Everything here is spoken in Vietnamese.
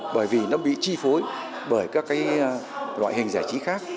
bởi vì nó bị chi phối bởi các loại hình giải trí khác